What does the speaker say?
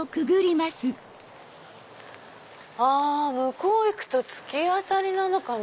あ向こう行くと突き当たりなのかな。